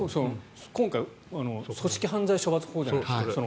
今回組織犯罪処罰法じゃないですか。